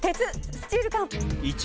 スチール缶。